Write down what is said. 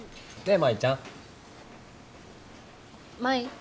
舞？